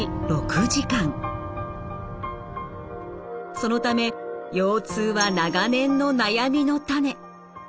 そのため腰痛は長年の悩みの種。